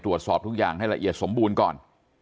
ตรวจสอบทุกอย่างให้ละเอียดสมบูรณ์ก่อน